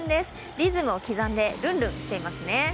リズムを刻んでルンルンしていますね。